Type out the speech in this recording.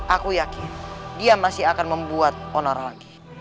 aku yakin dia masih akan membuat onar lagi